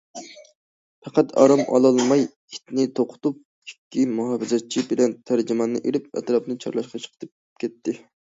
پەقەت ئارام ئالالماي، ئېتىنى توقۇتۇپ ئىككى مۇھاپىزەتچىسى بىلەن تەرجىماننى ئېلىپ ئەتراپنى چارلاشقا چىقىپ كەتتى.